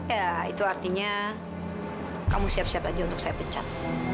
ya itu artinya kamu siap siap aja untuk saya pecat